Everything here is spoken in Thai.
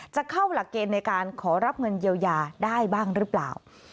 จะเข้าหลักเกณฑ์ในการขอรับเงินเยียวยาได้บ้างหรือเปล่า